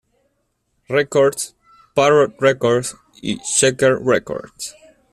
Records, Parrot Records y Checker Records.